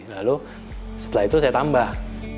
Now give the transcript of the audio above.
lalu setelah itu saya tambah